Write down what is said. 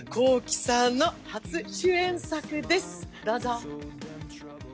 Ｋｏｋｉ，さんの初主演作です。